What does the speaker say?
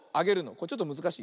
ちょっとむずかしい。